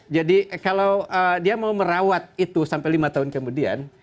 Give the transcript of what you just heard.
jadi kalau dia mau merawat itu sampai lima tahun kemudian